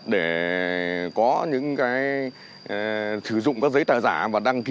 để có những cái sử dụng các giấy tờ giả và đăng ký